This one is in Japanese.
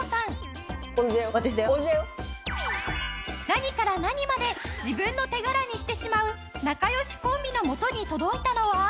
何から何まで自分の手柄にしてしまう仲良しコンビの元に届いたのは？